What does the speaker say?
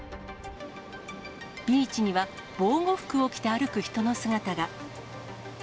ビーチには、防護服を着て歩く人の姿が。